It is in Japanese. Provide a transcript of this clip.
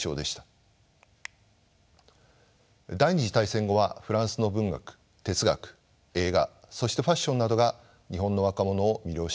第２次大戦後はフランスの文学哲学映画そしてファッションなどが日本の若者を魅了してきました。